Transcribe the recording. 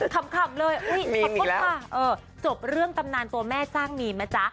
ขำเลยอุ๊ยขำก็ค่ะจบเรื่องตำนานตัวแม่สร้างมีนมาจ๊ะ